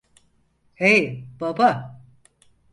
Hey, baba!